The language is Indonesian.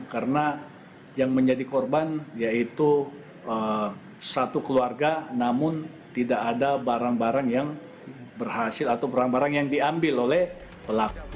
karena yang menjadi korban yaitu satu keluarga namun tidak ada barang barang yang berhasil atau barang barang yang diambil oleh pelaku